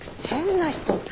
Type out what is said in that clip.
変な人。